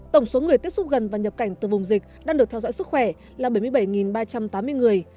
tổng số người tiếp xúc gần và nhập cảnh từ vùng dịch đang được theo dõi sức khỏe là bảy mươi bảy ba trăm tám mươi người